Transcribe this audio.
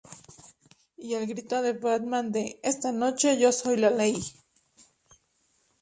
Y al grito de Batman de: "Esta noche yo soy la Ley.